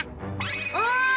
おい！